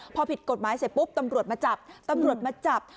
พอผิดกฎหมายเสร็จปุ๊บตำรวจมาจับ